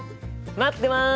待ってます！